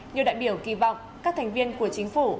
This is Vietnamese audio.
nhiều đại biểu kỳ vọng các thành viên của chính phủ